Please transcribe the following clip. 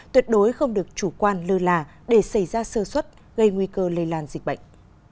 tuyệt đối không được chủ quan lơ là để xảy ra sơ xuất gây nguy cơ lây lan dịch bệnh